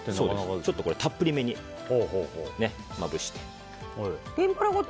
ちょっと、たっぷりめにまぶしてあげて。